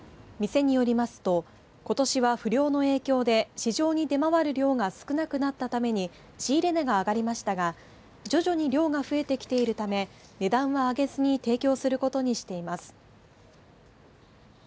店によりますとことしは不漁の影響で市場に出回る量が少なくなったために仕入れ値が上がりましたが徐々に量が増えてきているため値段は上げずに提供することにしています。